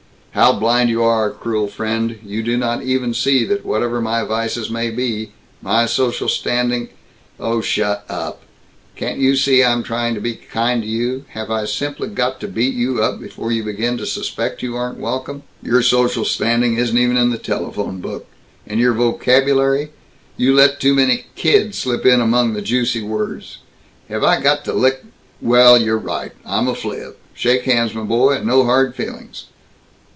"How blind you are, cruel friend. You do not even see that whatever my vices may be, my social standing " "Oh shut up! Can't you see I'm trying to be kind to you? Have I simply got to beat you up before you begin to suspect you aren't welcome? Your social standing isn't even in the telephone book. And your vocabulary You let too many 'kids' slip in among the juicy words. Have I got to lick " "Well. You're right. I'm a fliv. Shake hands, m' boy, and no hard feelings."